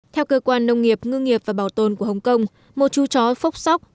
theo cơ quan nông nghiệp ngư nghiệp và bảo tồn của hồng kông một chú chó phốc sóc